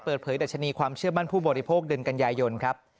ดัชนีความเชื่อมั่นผู้บริโภคเดือนกันยายนครับ